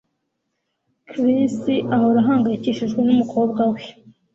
Chris ahora ahangayikishijwe numukobwa we